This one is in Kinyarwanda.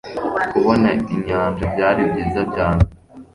kubona inyanja byari byiza cyane